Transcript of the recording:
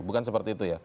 bukan seperti itu ya